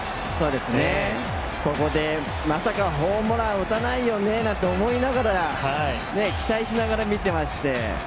ここでまさかホームランを打たないよねなんて思いながら期待しながら見てまして。